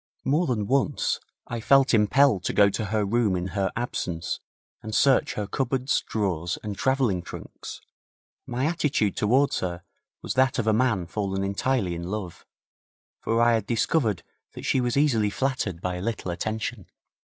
More than once I felt impelled to go to her room in her absence and search her cupboards, drawers and travelling trunks. My attitude towards her was that of a man fallen entirely in love, for I had discovered that she was easily flattered by a little attention.